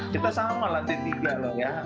kita sama lah t tiga loh ya